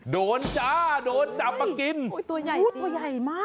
โดนจ้าโดนจำกินโอ้ยตัวใหญ่ตัวใหญ่มาก